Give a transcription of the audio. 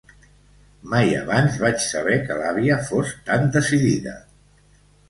Mai abans vaig saber que l'àvia fos tan decidida.